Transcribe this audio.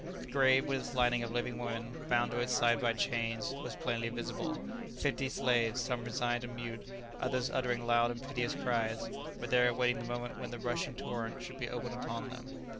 The grave, with its lining of living women, bound to its side by chains, was plainly visible; fifty slaves, some resigned and mute, others uttering loud and piteous cries, were there awaiting the moment when the rushing torrent should be opened upon them.